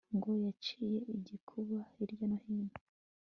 ngo yaciye igikuba hirya no hino